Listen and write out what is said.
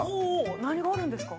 何があるんですか？